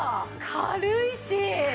軽いし。